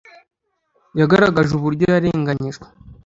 yagaragaje uburyo yarenganyijwe